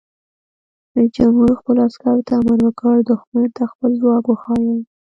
رئیس جمهور خپلو عسکرو ته امر وکړ؛ دښمن ته خپل ځواک وښایئ!